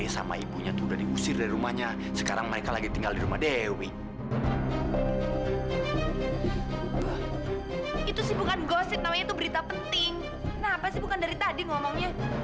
sampai jumpa di video selanjutnya